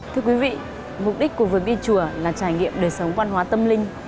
thưa quý vị mục đích của việc đi chùa là trải nghiệm đời sống văn hóa tâm linh